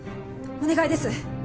お願いです！